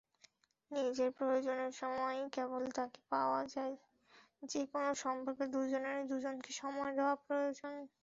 নিজের প্রয়োজনের সময়ই কেবল তাঁকে পাওয়া যায়যেকোনো সম্পর্কে দুজনেরই দুজনকে সময় দেওয়া প্রয়োজন।